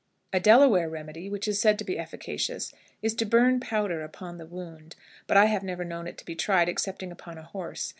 A Delaware remedy, which is said to be efficacious, is to burn powder upon the wound, but I have never known it to be tried excepting upon a horse.